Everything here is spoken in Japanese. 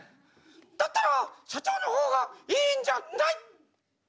だったら社長の方がいいんじゃない？」。